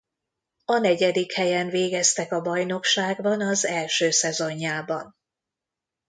A negyedik helyen végeztek a bajnokságban az első szezonjában.